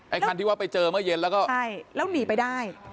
คันที่ว่าไปเจอเมื่อเย็นแล้วก็ใช่แล้วหนีไปได้